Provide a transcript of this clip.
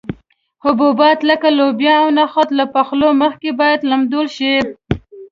حبوبات لکه لوبیا او نخود له پخولو مخکې باید لمدول شي.